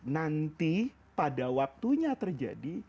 nanti pada waktunya terjadi